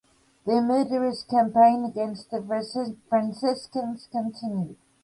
Their murderous campaign against the Franciscans continued.